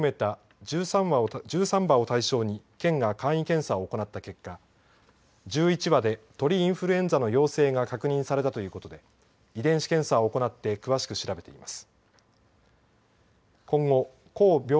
ほかのケージの鶏も含めた１３羽を対象に県が簡易検査を行った結果１１羽で鳥インフルエンザの陽性が確認されたということで遺伝子検査を行って詳しく調べています。